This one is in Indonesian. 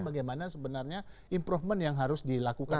bagaimana sebenarnya improvement yang harus dilakukan